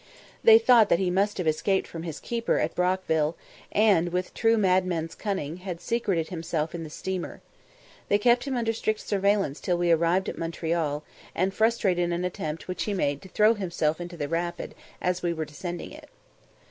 They thought he must have escaped from his keeper at Brockville, and, with true madman's cunning, he had secreted himself in the steamer. They kept him under strict surveillance till we arrived at Montreal, and frustrated an attempt which he made to throw himself into the rapid as we were descending it.